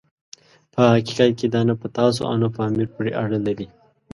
په حقیقت کې دا نه په تاسو او نه په امیر پورې اړه لري.